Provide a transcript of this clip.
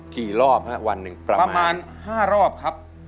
กี่รอบครับวันนึงประมาณประมาณ๕รอบครับ